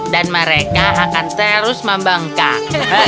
dan mereka akan terus membengkak